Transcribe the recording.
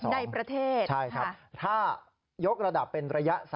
ในประเทศใช่ครับถ้ายกระดับเป็นระยะ๓